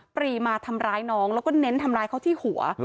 ปรีมาทำร้ายน้องแล้วก็เน้นทำร้ายเขาที่หัว